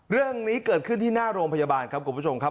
เรื่องนี้เกิดขึ้นที่หน้าโรงพยาบาลครับคุณผู้ชมครับ